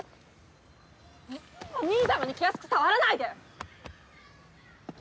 お兄様に気安く触らないで！